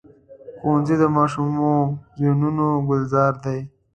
ښوونځی د ماشومو ذهنونو ګلزار دی